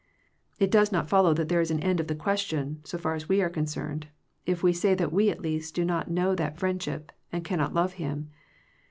It does not follow that there is an end of the question, so far as we are con cerned, if we say that we at least do not know that friendship, and cannot love Him.